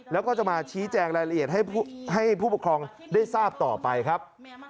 แล้วก็จะมาชี้แจงรายละเอียดให้ผู้ปกครองได้ทราบต่อไปครับ